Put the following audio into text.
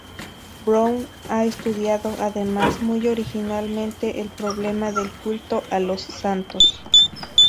Brown ha estudiado, además, muy originalmente el problema del culto a los santos.